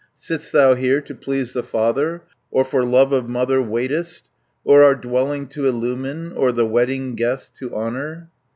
Sit'st thou here to please the father, Or for love of mother waitest, 10 Or our dwelling to illumine, Or the wedding guests to honour?